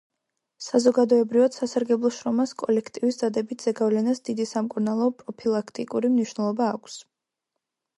საზოგადოებრივად სასარგებლო შრომას, კოლექტივის დადებით ზეგავლენას დიდი სამკურნალო-პროფილაქტიკური მნიშვნელობა აქვს.